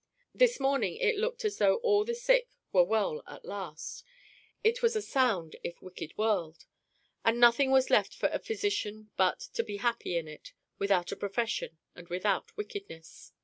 This morning it looked as though all the sick were well at last; it was a sound if wicked world; and nothing was left for a physician but to be happy in it without a profession and without wickedness.